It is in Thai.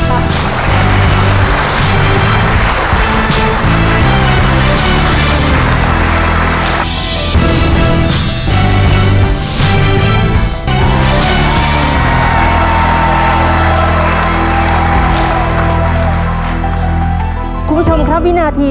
คุณผู้ชมครับวินาที